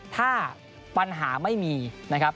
ถ้าปัญหาไม่มีนะครับ